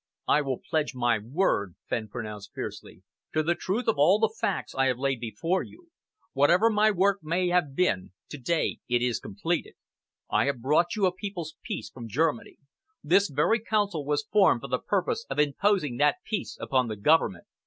"I will pledge my word," Fenn pronounced fiercely, "to the truth of all the facts I have laid before you. Whatever my work may have been, to day it is completed. I have brought you a people's peace from Germany. This very Council was formed for the purpose of imposing that peace upon the Government.